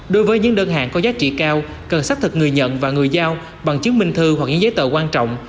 đối với những đơn hàng có giá trị cao cần xác thực người nhận và người giao bằng chứng minh thư hoặc những giấy tờ quan trọng